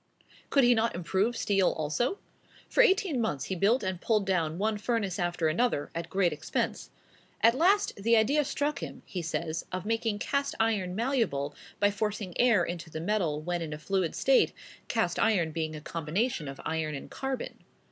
Could he not improve steel also? For eighteen months he built and pulled down one furnace after another, at great expense. At last "the idea struck him," he says, of making cast iron malleable by forcing air into the metal when in a fluid state, cast iron being a combination of iron and carbon.